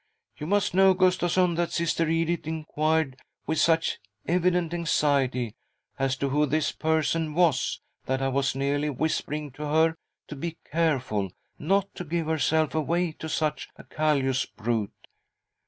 ' You must know, Gustavsson, that Sister Edith inquired with such evident anxiety as to who this person was that I was nearly whispering to her to be careful not to give herself away to such a callous brute.